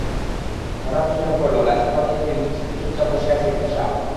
হঠাৎ চোখে পড়ল, গাছের পাতা জড়িয়ে নিশ্চিন্তে চুপচাপ বসে আছে একটি সাপ।